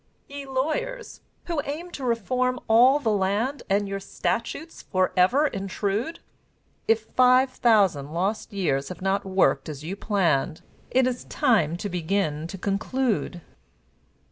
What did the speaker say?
Ye Lawyers, who aim to reform all the land, And your statutes forever intrude, If five thousand lost years have not worked as you planned, It is time to begin to conclude.